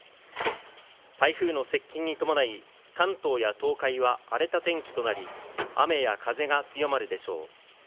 台風の接近に伴い、関東や東海は荒れた天気となり、雨や風が強まるでしょう。